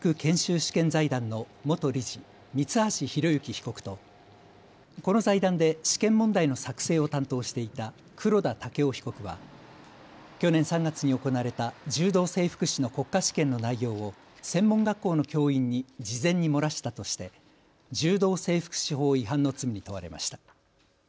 試験財団の元理事、三橋裕之被告とこの財団で試験問題の作成を担当していた黒田剛生被告は去年３月に行われた柔道整復師の国家試験の内容を専門学校の教員に事前に漏らしたとして柔道整復師法違反の罪に問われました。